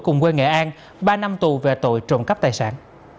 cùng quê nghệ an ba năm tù về tội trộm cắp tài sản